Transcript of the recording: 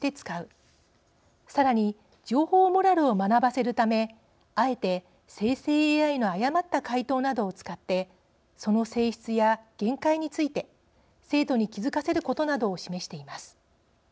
さらに情報モラルを学ばせるためあえて生成ＡＩの誤った回答などを使ってその性質や限界について生徒に気付かせることなどを示しています。